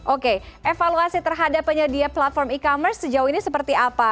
oke evaluasi terhadap penyedia platform e commerce sejauh ini seperti apa